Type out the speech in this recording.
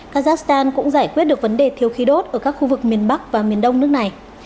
kazakhstan cũng giải quyết được vấn đề thiếu khí đốt ở các khu vực miền bắc và miền đông nước này